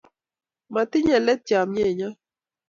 Matinye let chomyet nyoo